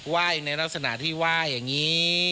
ว่ายในลักษณะที่ไหว้อย่างนี้